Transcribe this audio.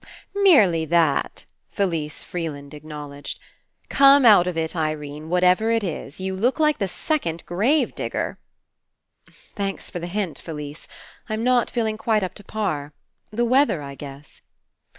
..." "Merely that," Felise Freeland ac 167 PASSING knowledged. "Come out of it, Irene, whatever it is. You look like the second grave digger/' "Thanks, for the hint, Felise. I'm not feeling quite up to par. The weather, I guess."